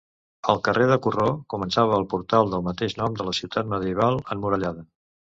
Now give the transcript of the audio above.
El carrer de Corró començava el portal del mateix nom de la ciutat medieval emmurallada.